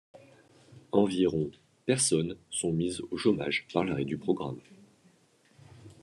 Environ personnes sont mises au chômage par l'arrêt du programme.